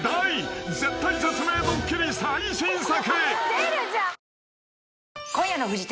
［絶体絶命ドッキリ最新作］